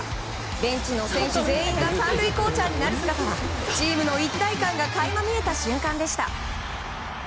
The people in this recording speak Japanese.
ベンチの選手全員が３塁コーチャーになる姿はチームの一体感が垣間見えた瞬間でした。